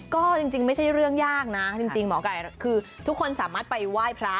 ก็จริงไม่ใช่เรื่องยากนะจริงหมอไก่คือทุกคนสามารถไปไหว้พระ